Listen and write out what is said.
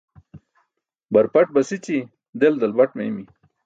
Barpaṭ basići, del dalbat meymi